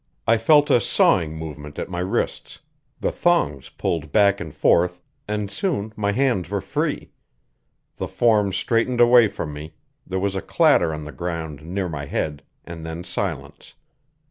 I felt a sawing movement at my wrists; the thongs pulled back and forth, and soon my hands were free. The form straightened away from me, there was a clatter on the ground near my head, and then silence.